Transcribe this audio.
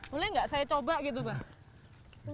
boleh nggak saya coba gitu mbak